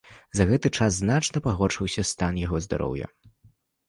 За гэты час значна пагоршыўся стан яго здароўя.